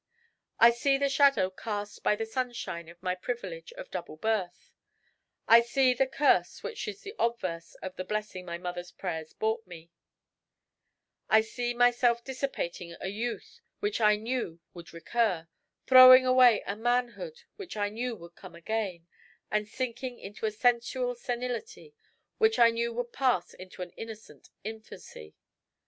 I see the shadow cast by the sunshine of my privilege of double birth; I see the curse which is the obverse of the blessing my mother's prayers brought me; I see myself dissipating a youth which I knew would recur, throwing away a manhood which I knew would come again, and sinking into a sensual senility which I knew would pass into an innocent infancy.